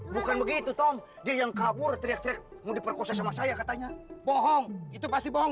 bukan begitu tom dia yang kabur teriak teriak mau diperkosa sama saya katanya bohong itu pasti bohong